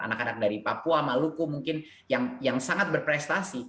anak anak dari papua maluku mungkin yang sangat berprestasi